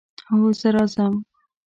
هو، زه راځم